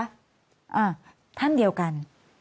อ่าท่านเดียวกัน